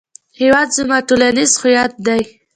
هېواد زموږ ټولنیز هویت دی